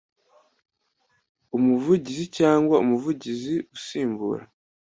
umuvugizi cyangwa umuvugizi usimbura